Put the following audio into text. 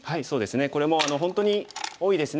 これも本当に多いですね。